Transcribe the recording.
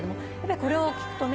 これを聴くとね